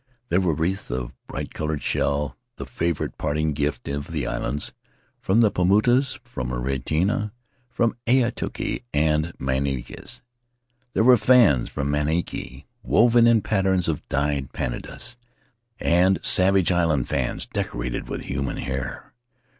There were wreaths of bright colored shell — the favorite parting gift of the islands — from the Paumotus, from Raiatea, from Aitutaki, and Mangaias. There were fans from Manihiki, woven in patterns of dyed pandanus, and Savage Island fans, decorated with human hair.